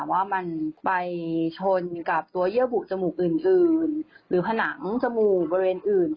ว่ามันไปชนกับตัวเยื่อบุจมูกอื่นหรือผนังจมูกบริเวณอื่น